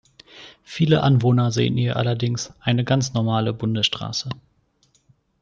Viele Anwohner sehen in ihr allerdings „eine ganz normale Bundesstraße“.